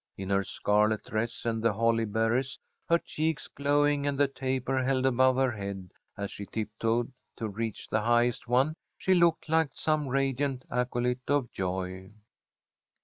In her scarlet dress and the holly berries, her cheeks glowing and the taper held above her head as she tiptoed to reach the highest one, she looked like some radiant acolyte of Joy.